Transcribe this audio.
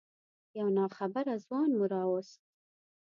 یو ناخبره ځوان مو راوست.